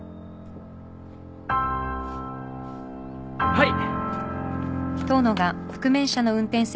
はい！